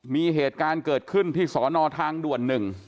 มีเหตุการณ์เกิดขึ้นที่สอนอทางด่วน๑